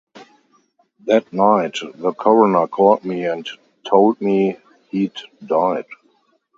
That "night" the coroner called me and told me he'd died.